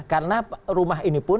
karena rumah ini pun